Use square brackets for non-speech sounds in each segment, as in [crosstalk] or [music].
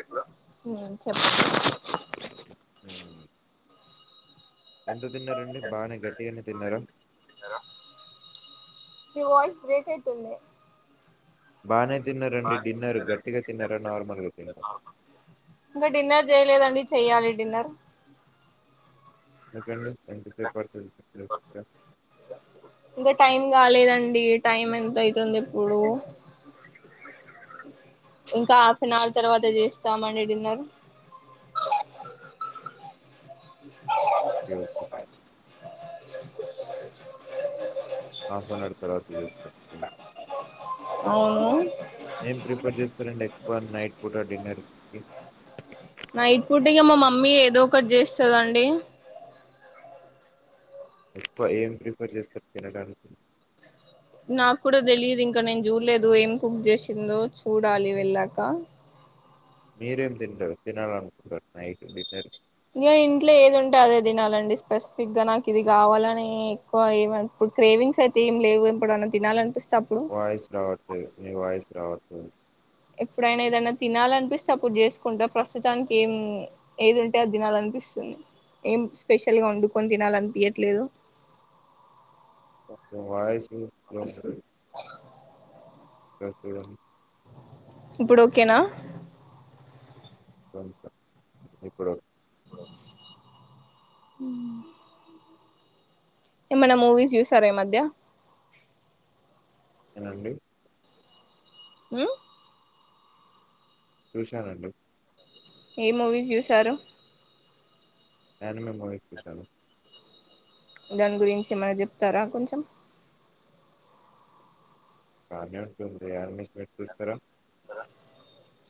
ఎప్పుడొ చెప్ ఎంత తిన్నారండి బాగనే గట్టిగా నే తిన్నార మీ వాయిస్ బ్రేక్ అయితుంది బానే నార్మల్గా తిన్నారా ఇంగా డిన్నర్ చేయలేదండి చెయ్యాలి డిన్నర్ దుకండి ఇంకా టైం కాలేదన్ డి టైమ్ ఎంత ఐతుందిప్పుడు ఇంకా హాఫ్ నవర్ తర్వాత చేస్తామండి డిన్నర్ హఫేనవర్ తర్వాత చేస్తారు [inaudible] అవును ఏం ప్రిఫర్ [inaudible] నైట్ పూట డిన్నర్ కి నైట్ పూట ఇగ మా మమ్మీ ఏదో ఒకటి చేస్తదండి ఎక్కువ ఏం ప్రిఫర్ చేస్తారు తినడానికి నాకు కూడా తెలియదు ఇంకా నేను చూడలేదు ఏం కుక్ చేసిందో చూడాలి వెళ్ళాక మీరేం తింటారు తినాలి అనుకుంటారు నైట్ డిన్నర్ ఇం ఇంట్లో ఏది ఉంటే అదే తినాలండి, స్పెసిఫిక్ గా నాకు ఇది కావాలి అని ఏక్కువ ఇప్పుడు క్రేవింగ్స్ అయితే ఏమి లేవు ఎప్పుడు ఏది తినాలనిపిస్ వయిస్ రావట్లేదు మీ వాయిస్ రావట్లేదు ఎప్పుడైనా ఏదైనా తినాలనిపిస్తే అప్పుడు చేసుకుంటా, ప్రస్తుతానికి ఏం ఏది ఉంటే అది తినాలనిపిస్తుంది, ఏం స్పెషల్గా వండుకొని తినాలనిపియట్లేదు వాయి [unintelligible] ఇప్పుడు ఓకేనా కొంత ఇప్పుడు మ్ ఏమన్నా మూవీస్ చూసారా ఈ మధ్య ఏమండి మ్ చూసానండి ఏ మూవీస్ చూశారు అనిమల్ మూవీ చూసాను దాని గురించి ఏమనా చెప్తారా కొంచెం కాణంది ఆరమస్ినట్ చూస్తార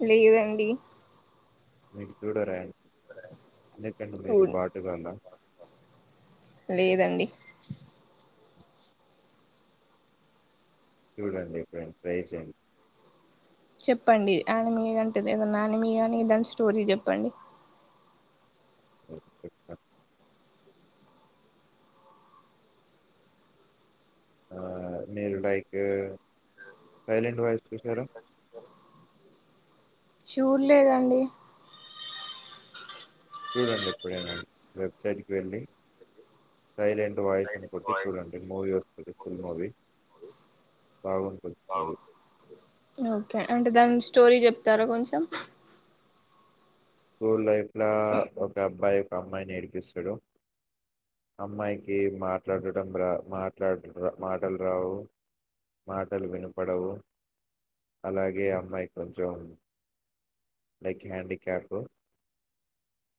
లేదండి మీరు చూడరా ఎందుకండి చూ మీరు బాటుగాద లేదండి చూడండి ఎప్పుడైన ట్రై చేయండి చెప్పండి ఆన మీగా అంటేది ఏదన్నా ఆని మీగానీ ఇదాంటి స్టోరీ చెప్పండి ఆ మీరు లైక్ సైలంట్ వయిస్ చూసినరా చూడ లేదండి చూడండి ఎప్పుడైనా వెబ్సైట్కి వెళ్ళి, సైలెంట్ వాయిస్ అని కొట్టి చూడండి మూవీ వస్తుంది, ఫుల్ మూవీ బాగుంటుంది మూవీ ఓకే అంటే దాని స్టోరీ చెప్తారా కొంచెం స్కూల్ లైఫ్లా ఒక్కాబ్బాయి ఒకమ్మాయిని ఎడిపిస్తాడు, అమ్మాయికి మాట్లాడడం రాదు మాటలు రావు, మాటలు వినపడవు, అలాగే అమ్మాయి కొంచెం లైక్ హ్యాండిీక్యాప్ట్ గు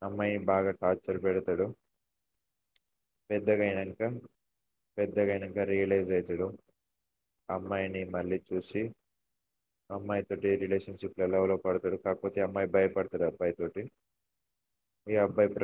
అమ్మాయిని బాగా టార్చర్ పెడతాడు, పెద్దగా అయినాక పెద్దగా అయినాక రియలైజ్ అవుతాడు, అమ్మాయిని మళ్ళీ చూసి, అమ్మాయిని బాగా టార్చర్ పెడతాడు పెద్దగా అయినాక రియాలైజ్ అవుతాడు అమ్మాయిని మళ్ళీ చూసి అమ్మాయితోటి రిలేషన్షిప్లొ లవ్ లొ పడతాడు కాకపోతే ఆ అమ్మాయి భయపడతాది అబ్బాయితోటి ఈ అబ్బాయి ప్రతి